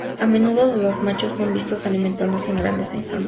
A menudo los machos son vistos alimentándose en grandes enjambres.